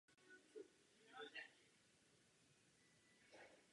Deset let naplňování Lisabonské strategie bylo ztracené desetiletí.